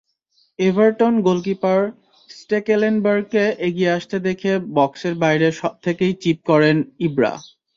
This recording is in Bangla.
এভারটন গোলকিপার স্টেকেলেনবার্গকে এগিয়ে আসতে দেখে বক্সের বাইরে থেকেই চিপ করেন ইব্রা।